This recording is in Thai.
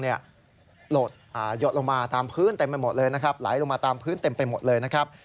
โดดหยอดลงมาตามพื้นเต็มไปหมดเลยนะครับ